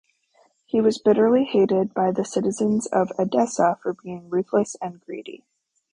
He was bitterly hated by the citizens of Edessa for being ruthless and greedy.